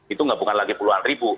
itu bukan lagi puluhan ribu